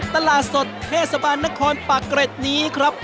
ตลาดสดเทศบาลนครปากเกร็ดนี้ครับ